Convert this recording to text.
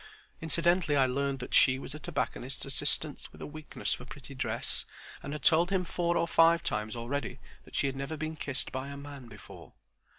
Incidentally I learned that She was a tobacconist's assistant with a weakness for pretty dress, and had told him four or five times already that She had never been kissed by a man before.